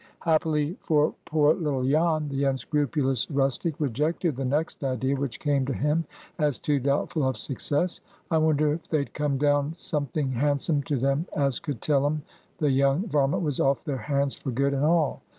Happily for poor little Jan, the unscrupulous rustic rejected the next idea which came to him as too doubtful of success. "I wonder if they'd come down something handsome to them as could tell 'em the young varmint was off their hands for good and all.